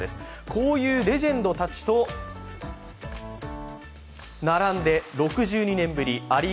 こういうレジェンドたちと並んで６２年ぶり。